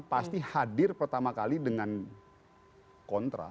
pasti hadir pertama kali dengan kontra